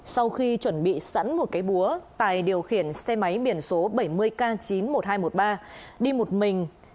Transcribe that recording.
sau khi chuẩn bị sẵn một cái búa tài điều khiển xe máy biển số bảy mươi k chín mươi một nghìn hai trăm một mươi ba đi một mình